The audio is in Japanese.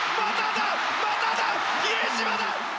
また比江島だ！